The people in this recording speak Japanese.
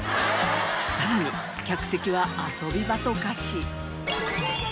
さらに客席は遊び場と化し。